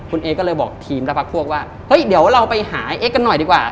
คุณเอ๊ก็เลยบอกทีมและพักพวกว่าเฮ้ยเดี๋ยวเราไปหาไอเอ็กกันหน่อยดีกว่า